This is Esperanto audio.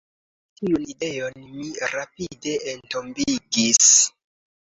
Tiun ideon mi rapide entombigis.